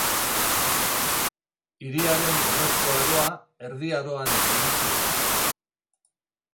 Hiriaren urrezko aroa Erdi Aroan iritsi zen.